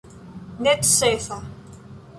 necesa